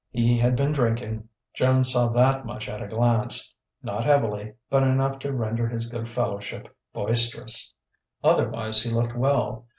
He had been drinking Joan saw that much at a glance not heavily, but enough to render his good fellowship boisterous. Otherwise he looked well.